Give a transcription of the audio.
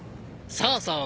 そうそう。